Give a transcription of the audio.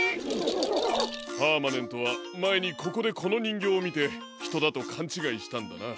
パーマネントはまえにここでこのにんぎょうをみてひとだとかんちがいしたんだな。